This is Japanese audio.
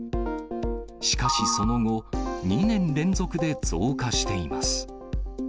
しかし、その後、２年連続で増加しています。